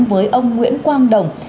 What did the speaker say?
với ông nguyễn quang đồng